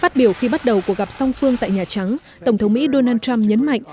phát biểu khi bắt đầu cuộc gặp song phương tại nhà trắng tổng thống mỹ donald trump nhấn mạnh